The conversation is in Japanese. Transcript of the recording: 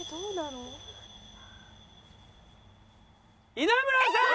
稲村さん！